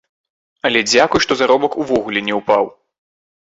Але дзякуй, што заробак увогуле не ўпаў.